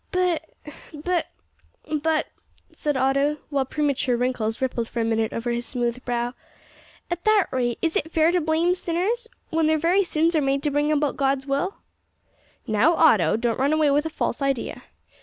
"But but but," said Otto, while premature wrinkles rippled for a minute over his smooth brow, "at that rate, is it fair to blame sinners when their very sins are made to bring about God's will?" "Now, Otto, don't run away with a false idea.